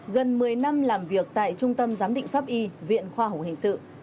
gần một mươi năm làm việc tại trung tâm giám định pháp y viện khoa học hình sự